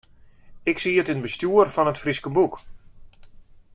Ik siet yn it bestjoer fan It Fryske Boek.